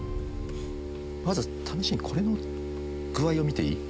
まずは試しにこれの具合を見ていい？